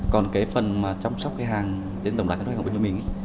còn phần chăm sóc khách hàng trên tổng đài các doanh nghiệp của mình